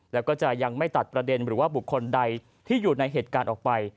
แล้วก็จะยังไม่ตัดประเด็นหรือว่าบุคคลใดที่อยู่ในเหตุการณ์ออกไป